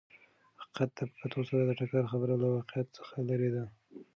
حقیقت ته په کتو سره د ټکر خبره له واقعیت څخه لرې ده.